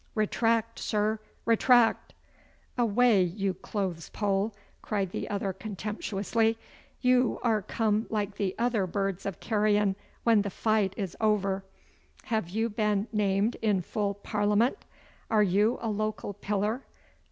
Retract, sir, retract!' 'Away, you clothes pole!' cried the other contemptuously. 'You are come like the other birds of carrion when the fight is o'er. Have you been named in full Parliament? Are you a local pillar?